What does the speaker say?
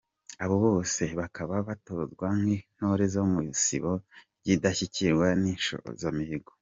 Aba bose bakaba batozwa nk’Intore zo mu Isibo y’Indashyikirwa z’Inshozamihigo.